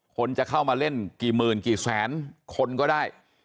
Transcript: คนจะเข้ามาเล่นกี่หมื่นกี่แสนคนก็ได้